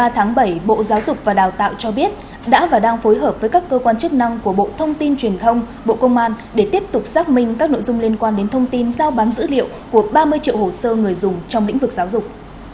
một mươi tháng bảy bộ giáo dục và đào tạo cho biết đã và đang phối hợp với các cơ quan chức năng của bộ thông tin truyền thông bộ công an để tiếp tục xác minh các nội dung liên quan đến thông tin giao bán dữ liệu của ba mươi triệu hồ sơ người dùng trong lĩnh vực giáo dục